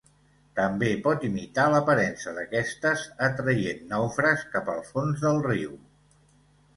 També pot imitar l'aparença d'aquestes, atraient nàufrags cap al fons del riu.